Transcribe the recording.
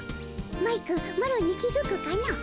マイクマロに気付くかの？